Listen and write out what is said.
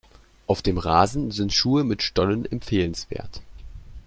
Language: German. Auf dem Rasen sind Schuhe mit Stollen empfehlenswert.